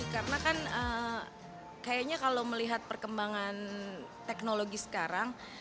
karena kan kayaknya kalau melihat perkembangan teknologi sekarang